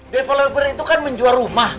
developer itu kan menjual rumah